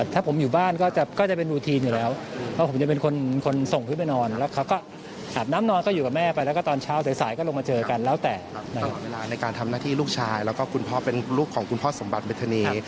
ทำหน้าที่ลูกชายและคุณพ่อเป็นลูกของคุณพ่อสมบัติเมธินี